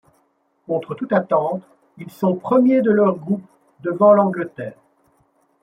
Contre toute attente, ils sont premiers de leur groupe, devant l'Angleterre.